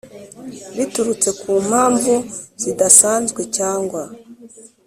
Biturutse ku mpamvu zidasanzwe cyangwa